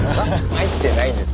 入ってないです。